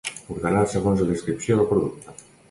Ordenar segons la descripció del producte.